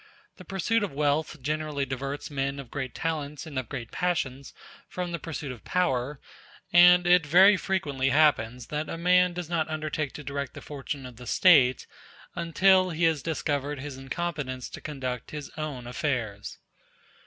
The pursuit of wealth generally diverts men of great talents and of great passions from the pursuit of power, and it very frequently happens that a man does not undertake to direct the fortune of the State until he has discovered his incompetence to conduct his own affairs.